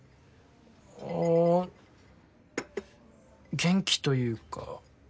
あ元気というか。